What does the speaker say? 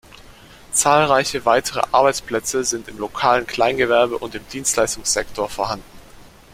Zahlreiche weitere Arbeitsplätze sind im lokalen Kleingewerbe und im Dienstleistungssektor vorhanden.